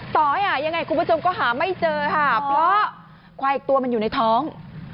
ต่อให้หายังไงคุณผู้ชมก็หาไม่เจอค่ะเพราะควายอีกตัวมันอยู่ในท้อง